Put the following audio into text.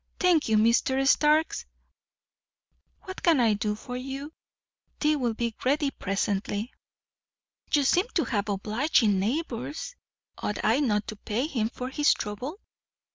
Thank you, Mr. Starks. What can I do for you? Tea will be ready presently." "You seem to have obliging neighbours! Ought I not to pay him for his trouble?"